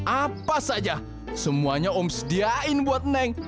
apa saja semuanya om sediain buat neng